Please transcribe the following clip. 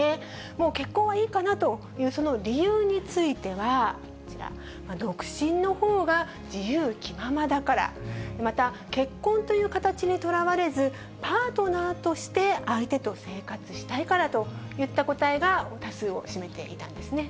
もう結婚はいいかなというその理由についてはこちら、独身のほうが自由気ままだから、また、結婚という形にとらわれず、パートナーとして、相手と生活したいからといった答えが多数を占めていたんですね。